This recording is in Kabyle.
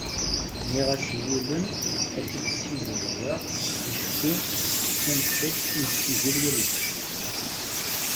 Nniɣ-as iwulem ad t-id-ssiẓergeɣ acku d tamsalt i nettidir yal ass.